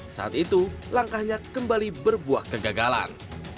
saat itu langkahnya kembali berbuah kegagalan